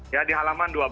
ya di halaman dua belas